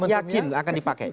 sangat yakin akan dipakai